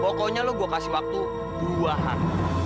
pokoknya lu gue kasih waktu beruahan